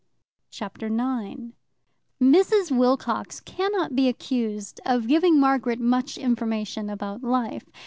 Chapter 9 Mrs. Wilcox cannot be accused of giving Margaret much information about life.